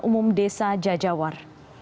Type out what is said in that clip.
umum desa jajawar